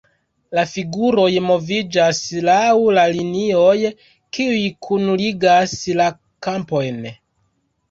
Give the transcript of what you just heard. La figuroj moviĝas laŭ la linioj, kiuj kunligas la kampojn.